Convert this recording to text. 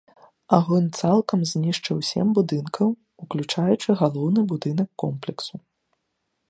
Агонь цалкам знішчыў сем будынкаў, уключаючы галоўны будынак комплексу.